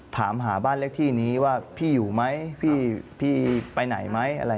ถามหาบ้านเลขที่นี้ว่าพี่อยู่ไหมพี่ไปไหนไหมอะไร